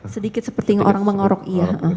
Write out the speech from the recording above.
sedikit sepertinya orang mengorok iya